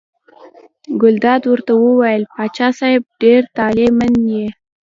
ګلداد ورته وویل: پاچا صاحب ډېر طالع من یې.